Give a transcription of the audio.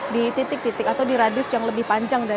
di titik titik atau di radius yang lebih panjang